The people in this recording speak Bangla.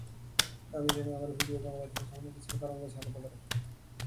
আমি জানি, আমার ভিডিও ক্যামেরা থেকে সামান্য কিছু তরঙ্গ ছড়াতে পারে।